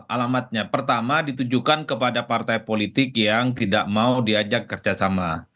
alamatnya pertama ditujukan kepada partai politik yang tidak mau diajak kerjasama